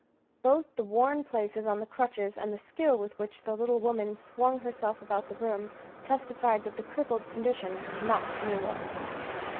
Both the worn places on the crutches, and the skill with which the little woman swung herself about the room testified that the crippled condition was not a new one.